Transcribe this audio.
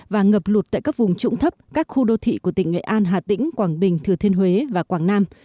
và ngập lụt tại các vùng trũng thấp các khu đô thị của tỉnh nghệ an hà tĩnh quảng bình thừa thiên huế và quảng nam